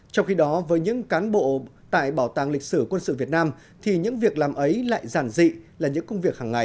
trong khi đó với những cán bộ tại bảo tàng lịch sử quân sự việt nam thì những việc làm ấy lại giản dị là những công việc hàng ngày